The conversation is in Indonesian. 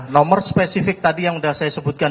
nomor spesifik tadi yang sudah saya sebutkan